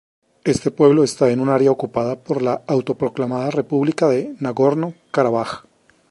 Este pueblo está en un área ocupada por la autoproclamada República de Nagorno Karabaj.